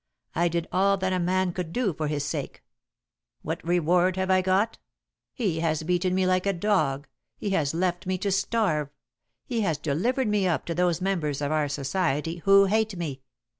I did all that a man could do for his sake. What reward have I got? He has beaten me like a dog. He has left me to starve. He has delivered me up to those members of our society who hate me.